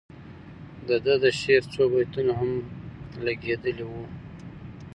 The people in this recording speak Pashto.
د ده د شعر څو بیتونه هم لګیدلي وو.